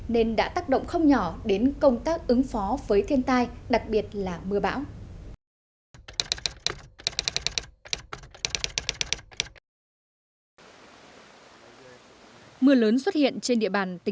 nên đã tác động không nhỏ đến công tác ứng phó với thiên tai đặc biệt là mưa bão